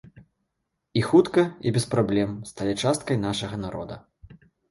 І хутка і без праблем сталі часткай нашага народа.